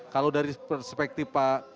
kalau dari perspektif